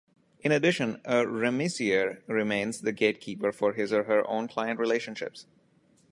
In addition, a remisier remains the gatekeeper for his or her own client relationships.